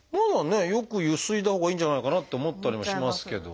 よくゆすいだほうがいいんじゃないかなって思ったりもしますけど。